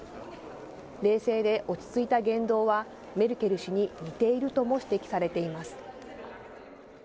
冷静で落ち着いた言動はメルケル氏に似ているとも指摘されています。